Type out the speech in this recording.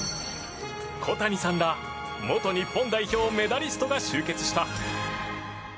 小谷さんら元日本代表メダリストが集結した。